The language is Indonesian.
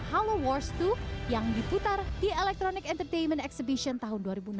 halo wars dua yang diputar di electronic entertainment exhibition tahun dua ribu enam belas